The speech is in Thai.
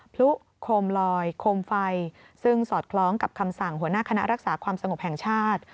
พลุโคมลอยโคมไฟซึ่งสอดคล้องกับคำสั่งหัวหน้าคณะรักษาความสงบแห่งชาติ